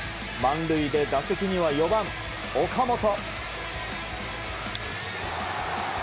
満塁で打席には４番、岡本。